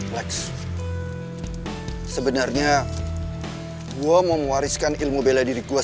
lex sebenarnya gue mau mewariskan ilmu bela diri gue selama ini